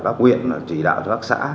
các quyền chỉ đạo cho các xã